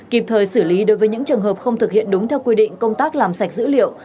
kịp thời xử lý đối với những trường hợp không thực hiện đúng theo quy định công tác làm sạch dữ liệu